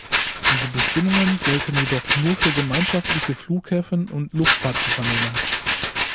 Diese Bestimmungen gelten jedoch nur für gemeinschaftliche Flughäfen und Luftfahrtunternehmen.